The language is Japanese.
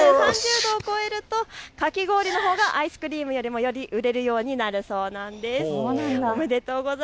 ３０度超えるとかき氷がアイスクリームより売れるようになるそうです。